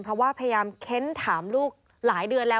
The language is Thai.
เพราะว่าพยายามเค้นถามลูกหลายเดือนแล้ว